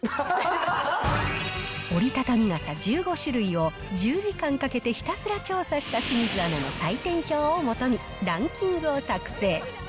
折りたたみ傘１５種類を１０時間かけてひたすら調査した清水アナの採点表をもとにランキングを作成。